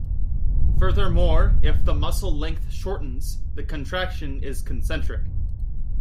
Furthermore, if the muscle length shortens, the contraction is concentric.